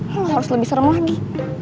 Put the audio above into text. nih lo harus lebih serem lagi